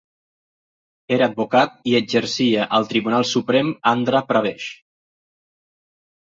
Era advocat i exercia al tribunal suprem Andhra Pradesh.